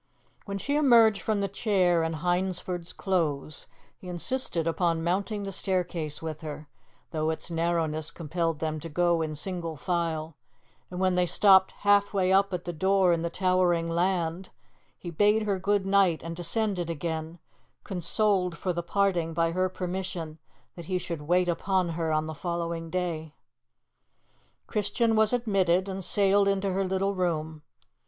When she emerged from the chair in Hyndford's Close he insisted upon mounting the staircase with her, though its narrowness compelled them to go in single file; and when they stopped halfway up at the door in the towering 'land,' he bade her good night and descended again, consoled for the parting by her permission that he should wait upon her on the following day. Christian was admitted and sailed into her little room.